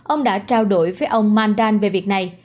ông đã trao đổi với ông mandan về việc này